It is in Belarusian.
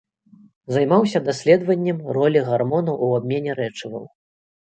Займаўся даследаваннем ролі гармонаў у абмене рэчываў.